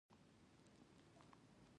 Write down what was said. د ښارنو پارک ختیځ لوري ته ولاړو.